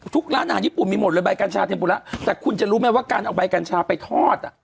ร้านอาหารญี่ปุ่นมีหมดเลยใบกัญชาเทมปุระแต่คุณจะรู้ไหมว่าการเอาใบกัญชาไปทอดอ่ะ